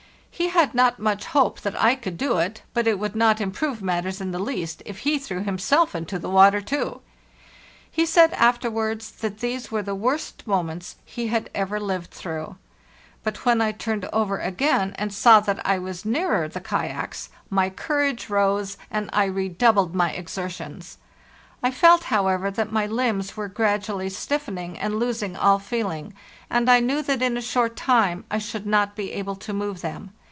He had not much hope that I could do it, but it would not improve matters in the least if he threw himself into the water too. He said afterwards that these were the worst moments he had ever lived through. But when I turned over again and saw that I was nearer the kayaks, my courage rose, and I redoubled my exertions. I felt, however, that my limbs were gradually stiffening and losing all feeling, and I knew that in a short time I should not be able to move them.